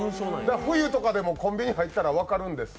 冬とかでもコンビニ入ったら分かるんです。